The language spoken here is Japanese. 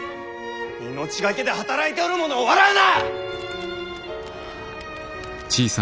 命懸けで働いておる者を笑うな！